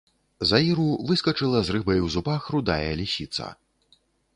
З аіру выскачыла з рыбай у зубах рудая лісіца.